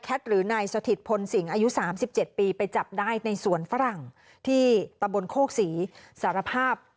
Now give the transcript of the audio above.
หรือนายสถิตพลสิงห์อายุ๓๗ปีไปจับได้ในสวนฝรั่งที่ตำบลโคกศรีสารภาพ